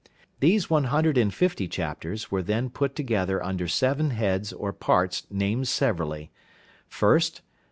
These one hundred and fifty chapters were then put together under seven heads or parts named severally 1st.